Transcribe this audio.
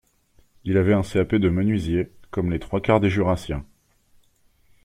Il avait un CAP de menuisier, comme les trois quarts des jurassiens;